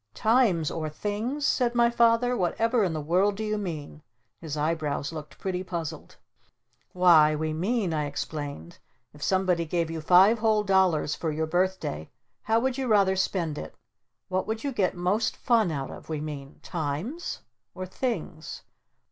_" "Times or Things?" said my Father. "Whatever in the world do you mean?" His eyebrows looked pretty puzzled. "Why, we mean," I explained, "if somebody gave you five whole dollars for your birthday how would you rather spend it? What would you get most fun out of, we mean? Times? Or _Things?